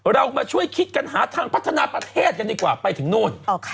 เรามาช่วยคิดกันหาทางพัฒนาประเทศกันดีกว่าไปถึงนู่น